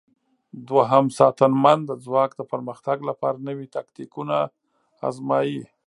دوهم ساتنمن د ځواک د پرمختګ لپاره نوي تاکتیکونه آزمايي.